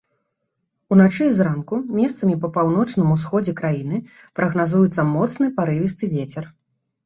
Уначы і зранку месцамі па паўночным усходзе краіны прагназуецца моцны парывісты вецер.